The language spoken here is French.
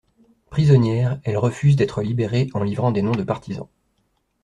Prisonnière, elle refuse d'être libérée en livrant des noms de partisans.